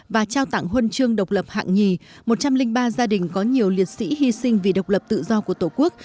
và trao tặng huân chương độc lập hạng nhì một trăm linh ba gia đình có nhiều liệt sĩ hy sinh vì độc lập tự do của tổ quốc